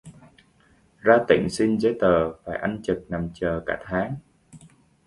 Ra tỉnh xin giấy tờ phải ăn chực nằm chờ cả tháng